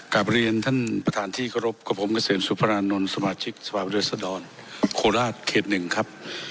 กลับเรียนท่านประธานที่เคารพกับผมเกษมสุพรานนท์สมาชิกสภาพวิทยาศดรโคราชเขตหนึ่งครับ